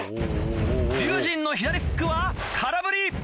⁉龍心の左フックは空振り！